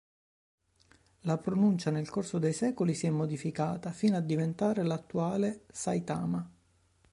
La pronuncia nel corso dei secoli si è modificata, fino a diventare l'attuale "Saitama".